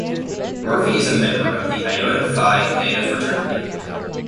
Murphy is a member of the Iota Phi Theta fraternity.